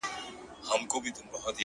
دا خو ډيره گرانه ده ـ